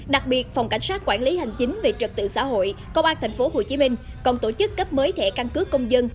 đặc biệt phòng cảnh sát quản lý hành chính về trật tự xã hội công an tp hcm còn tổ chức cấp mới thẻ căn cước công dân